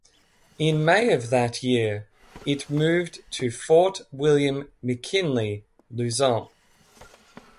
In May of that year, it moved to Fort William McKinley, Luzon.